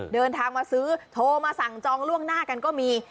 เดินทางมาซื้อโทรมาสั่งจองล่วงหน้ากันก็มี